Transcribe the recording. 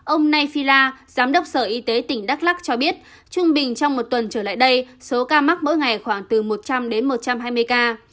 ông nay phila giám đốc sở y tế tỉnh đắk lắc cho biết trung bình trong một tuần trở lại đây số ca mắc mỗi ngày khoảng từ một trăm linh đến một trăm hai mươi ca